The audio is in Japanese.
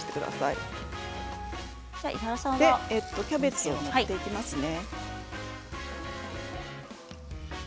その間にキャベツを盛っていきますね。